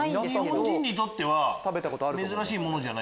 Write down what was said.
日本人にとっては珍しいものじゃない？